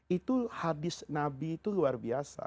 itu hadis nabi itu luar biasa